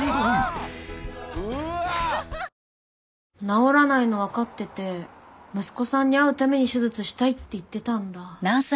治らないのわかってて息子さんに会うために手術したいって言ってたんだ。